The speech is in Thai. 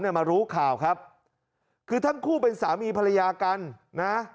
มารู้ข่าวครับคือทั้งคู่เป็นสามีภรรยากันนะ